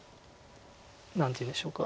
何ていうんでしょうか。